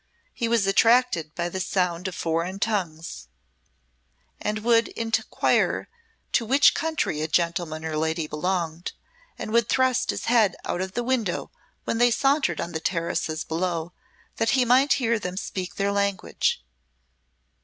He was attracted by the sound of foreign tongues, and would inquire to which country a gentleman or lady belonged, and would thrust his head out of the window when they sauntered on the terraces below that he might hear them speak their language.